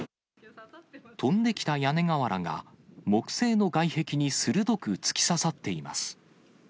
飛んできた屋根瓦が木製の外壁に鋭く突き刺さっています。